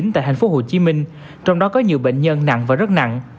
tại tp hcm trong đó có nhiều bệnh nhân nặng và rất nặng